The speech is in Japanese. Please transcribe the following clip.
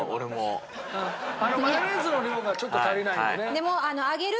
マヨネーズの量がちょっと足りないのでね。